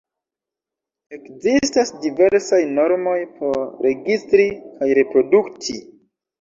Ekzistas diversaj normoj por registri kaj reprodukti.